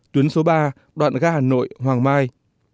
tuyến số ba đoạn gá hà nội hoàng mai